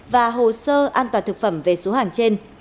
và hồ sơ an toàn thực phẩm về số hàng trên